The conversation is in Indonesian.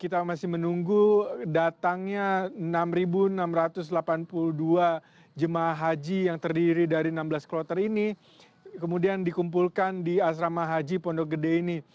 kita masih menunggu datangnya enam enam ratus delapan puluh dua jemaah haji yang terdiri dari enam belas kloter ini kemudian dikumpulkan di asrama haji pondok gede ini